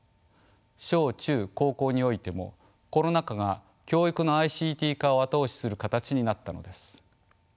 小中高校においてもコロナ禍が教育のＩＣＴ化を後押しする形になったのです。